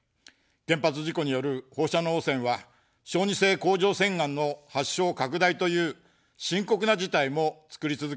原発事故による放射能汚染は、小児性甲状腺がんの発症、拡大という深刻な事態も作り続けています。